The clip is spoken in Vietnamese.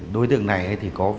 đối tượng này thì có vợ